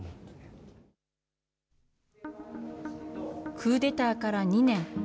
クーデターから２年。